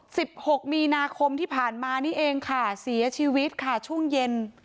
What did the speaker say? หกมีนาคมที่ผ่านมานี่เองค่ะเสียชีวิตค่ะช่วงเย็น